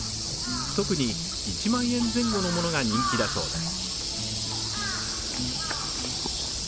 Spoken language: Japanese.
特に、１万円前後のものが人気だそうです。